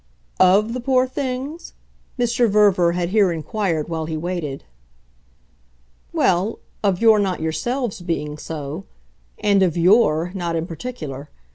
"OF the poor things?" Mr. Verver had here inquired while he waited. "Well, of your not yourselves being so and of YOUR not in particular.